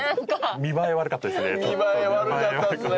見栄え悪かったですね。